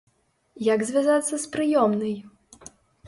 Як звязацца з прыёмнай?